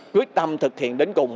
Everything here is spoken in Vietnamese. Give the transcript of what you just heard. quyết tâm thực hiện đến cùng